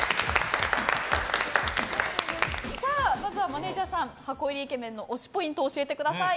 まずはマネジャーさん箱イケメンの推しポイントを教えてください。